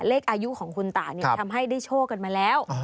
เลขอายุของคุณตาทำให้ได้โชคกันมาแล้ว